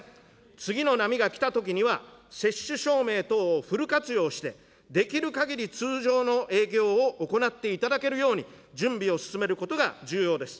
次の波が来たときには、接種証明等をフル活用して、できるかぎり通常の営業を行っていただけるように、準備を進めることが重要です。